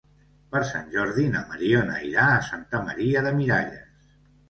Per Sant Jordi na Mariona irà a Santa Maria de Miralles.